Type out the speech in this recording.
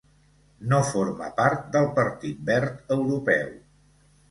No forma part del Partit Verd Europeu.